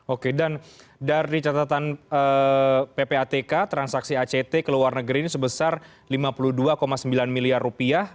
oke dan dari catatan ppatk transaksi act ke luar negeri ini sebesar lima puluh dua sembilan miliar rupiah